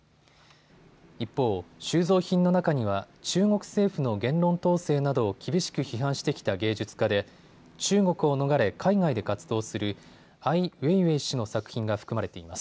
一方、収蔵品の中には中国政府の言論統制などを厳しく批判してきた芸術家で中国を逃れ海外で活動するアイ・ウェイウェイ氏の作品が含まれています。